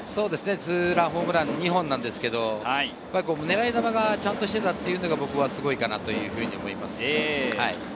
ツーランホームラン２本ですけれど、狙い球がちゃんとしていたのが僕はすごいかなと思います。